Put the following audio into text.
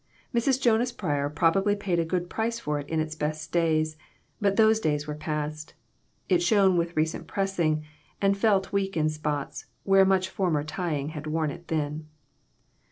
Mrs. Jonas Pryor probably paid a good price for it in its best days, but those days were past. It shone with recent pressing, and felt weak in spots where much former tying had worn it thin.